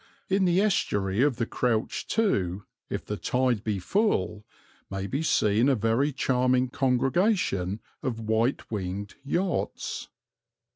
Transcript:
In the estuary of the Crouch, too, if the tide be full, may be seen a very charming congregation of white winged yachts.